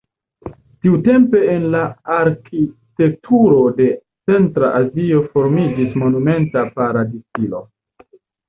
Tiutempe en la arkitekturo de Centra Azio formiĝis monumenta parad-stilo.